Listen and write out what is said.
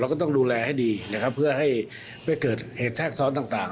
ก็ต้องดูแลให้ดีนะครับเพื่อให้ไม่เกิดเหตุแทรกซ้อนต่าง